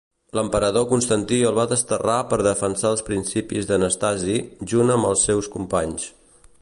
L'emperador Constantí el va desterrar per defensar els principis d'Anastasi, junt amb els seus companys.